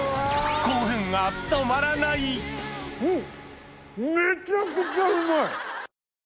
興奮が止まらないうん！